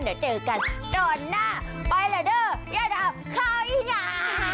เดี๋ยวเจอกันต่อหน้าไปละด้วยย่าดำข้าวอีน้ำ